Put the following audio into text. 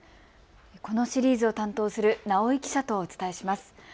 このシリーズを担当する直井記者とお伝えします。